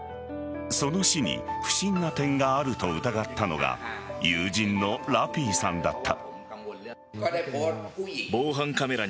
その死に不審な点があると疑ったのが友人のラピーさんだった。